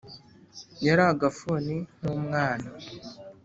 yari agafuni nkumwana;